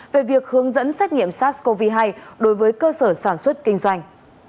về việc hướng dẫn xét nghiệm sars cov hai đối với cơ sở sản xuất kinh doanh